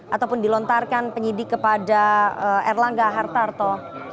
ataupun dilontarkan penyidik kepada erlangga hartarto